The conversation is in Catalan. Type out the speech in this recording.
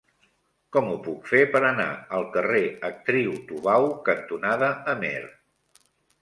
Com ho puc fer per anar al carrer Actriu Tubau cantonada Amer?